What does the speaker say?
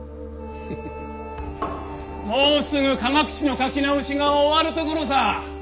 フフフもうすぐ科学史の書き直しが終わるところさ！